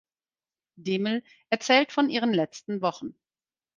Deml erzählt von ihren letzten Wochen.